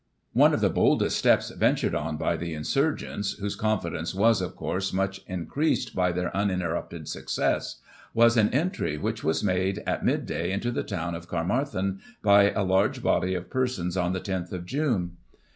One of the boldest steps ventured on by the insurgents, whose confidence was, of course, much increased by their uninterrupted success, was an entry, which was made, at mid day, into the town of Caermarthen, by a large body of persons on the lOth of June.